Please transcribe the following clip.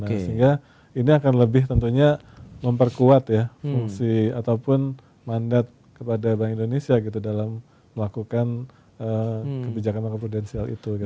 sehingga ini akan lebih tentunya memperkuat ya fungsi ataupun mandat kepada bank indonesia gitu dalam melakukan kebijakan bank prudensial itu